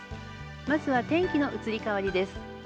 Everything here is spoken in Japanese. まずは、天気の移り変わりです。